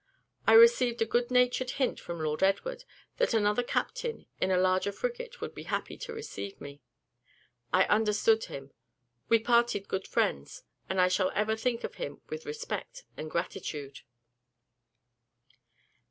I received a good natured hint from Lord Edward, that another captain, in a larger frigate, would be happy to receive me. I understood him; we parted good friends, and I shall ever think of him with respect and gratitude.